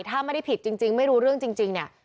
ถ้าไม่ได้ผิดจริงไม่รู้เรื่องจริงเนี่ย